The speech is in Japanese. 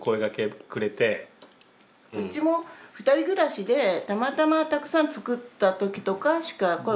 うちも２人暮らしでたまたまたくさん作った時とかしか声はかけない。